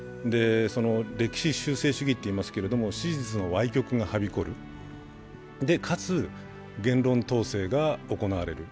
歴史修正主義といいますが、史実のわい曲がはびこる、かつ言論統制が行われる。